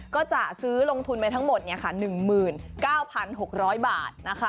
ก็จะซื้อลงทุนไปทั้งหมด๑๙๖๐๐บาท